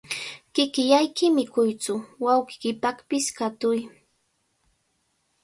Kikillayki mikuytsu, wawqiykipaqpish katuy.